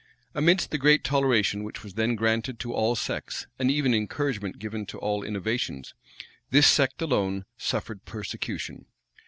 Amidst the great toleration which was then granted to all sects, and even encouragement given to all innovations, this sect alone suffered persecution.